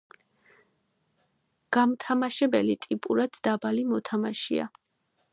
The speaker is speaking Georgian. გამთამაშებელი ტიპურად დაბალი მოთამაშეა.